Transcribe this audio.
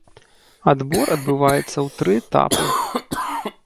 Адбор адбываецца ў тры этапы.